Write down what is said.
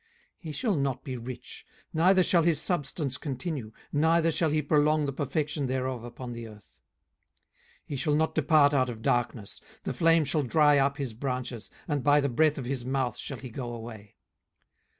18:015:029 He shall not be rich, neither shall his substance continue, neither shall he prolong the perfection thereof upon the earth. 18:015:030 He shall not depart out of darkness; the flame shall dry up his branches, and by the breath of his mouth shall he go away.